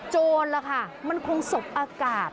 โจรล่ะค่ะมันคงสบอากาศ